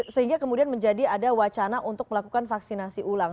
sehingga kemudian menjadi ada wacana untuk melakukan vaksinasi ulang